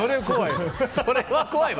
それは怖いわ。